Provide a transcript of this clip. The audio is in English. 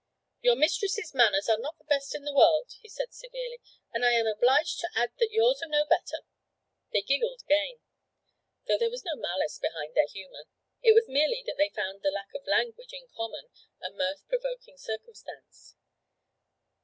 'Your mistress's manners are not the best in the world,' said he severely, 'and I am obliged to add that yours are no better.' They giggled again, though there was no malice behind their humour; it was merely that they found the lack of a language in common a mirth provoking circumstance.